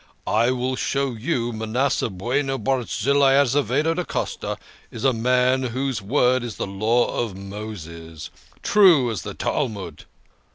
I will show you Manasseh Bueno Barzillai Azevedo da Costa is a man whose word is the Law of Moses ; true as the Talmud.